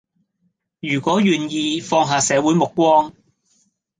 如果願意放下社會目光